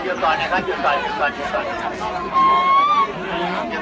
ก็ไม่มีใครกลับมาเมื่อเวลาอาทิตย์เกิดขึ้น